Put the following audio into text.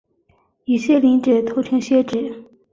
与鞘磷脂通称鞘脂。